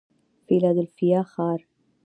فیلادلفیا ښار